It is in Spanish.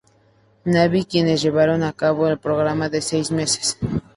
Navy, quienes llevaron a cabo un programa de seis meses.